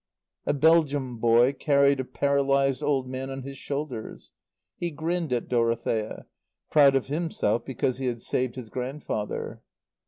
A Belgium boy carried a paralyzed old man on his shoulders. He grinned at Dorothea, proud of himself because he had saved his grandfather.